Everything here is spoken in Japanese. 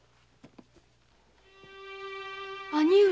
兄上。